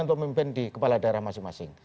untuk memimpin di kepala daerah masing masing